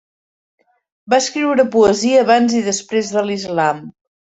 Va escriure poesia abans i després de l'islam.